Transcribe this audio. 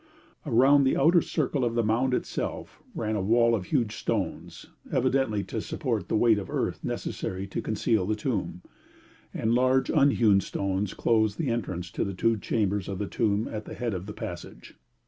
Around the outer circle of the mound itself ran a wall of huge stones, evidently to support the weight of earth necessary to conceal the tomb, and large unhewn stones closed the entrance to the two chambers of the tomb at the head of the passage.